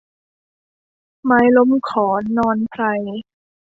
ไม้ล้มขอนนอนไพร